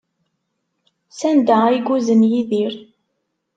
Sanda ay yuzen Yidir?